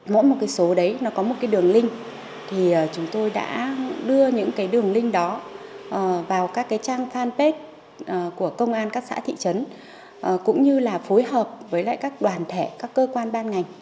mỗi một số đấy có một đường link thì chúng tôi đã đưa những đường link đó vào các trang fanpage của công an các xã thị trấn cũng như là phối hợp với các đoàn thẻ các cơ quan ban ngành